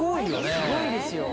すごいですよ。